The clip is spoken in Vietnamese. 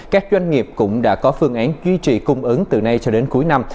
các doanh nghiệp cũng đã có phương án duy trì cung ứng từ nay cho đến cuối năm